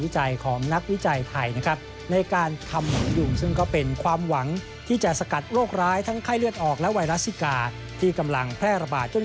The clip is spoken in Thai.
จอมพลันดาวสุโขข่าวไทยวรัฐทีวีรายงาน